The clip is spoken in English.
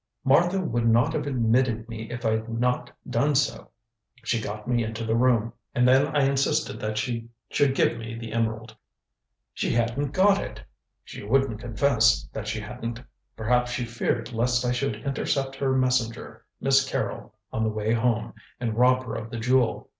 "Martha would not have admitted me if I had not done so. She got me into the room, and then I insisted that she should give the emerald." "She hadn't got it." "She wouldn't confess that she hadn't. Perhaps she feared lest I should intercept her messenger, Miss Carrol, on the way home, and rob her of the jewel.